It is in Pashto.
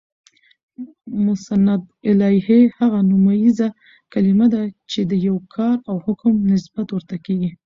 مسندالیه: هغه نومیزه کلیمه ده، چي د یو کار او حکم نسبت ورته کیږي.